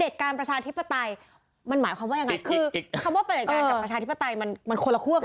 การประชาธิปไตยมันหมายความว่ายังไงคือคำว่าปฏิบัติการกับประชาธิปไตยมันคนละคั่วกัน